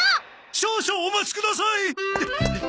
少々お待ちください！